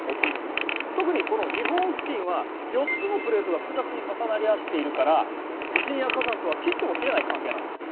特にこの日本付近は４つのプレートが複雑に重なり合っているから地震や火山とは切っても切れない関係なんだ。